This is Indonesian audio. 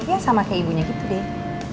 ya sama kayak ibunya gitu deh